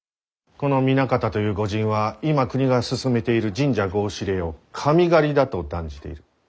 この南方という御仁は今国が進めている神社合祀令を「神狩り」だと断じている。